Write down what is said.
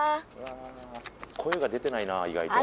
声が出てないな意外と。